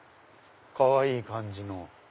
かわいい感じの。